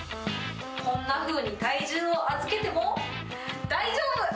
こんなふうに体重を預けても大丈夫。